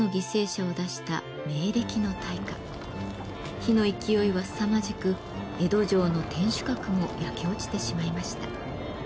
火の勢いはすさまじく江戸城の天守閣も焼け落ちてしまいました。